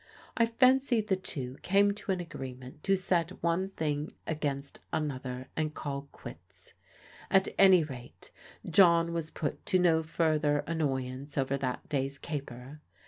I fancy the two came to an agreement to set one thing against another and call quits. At any rate, John was put to no further annoyance over that day's caper.